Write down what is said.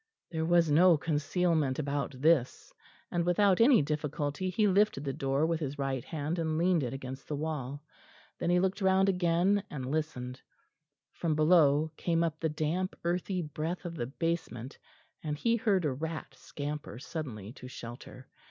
There was no concealment about this, and without any difficulty he lifted the door with his right hand and leaned it against the wall; then he looked round again and listened. From below came up the damp earthy breath of the basement, and he heard a rat scamper suddenly to shelter.